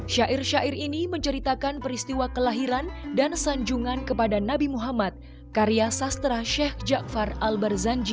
syair syair ini menceritakan peristiwa kelahiran dan sanjungan kepada nabi muhammad karya sastra sheikh jakfar al barzanji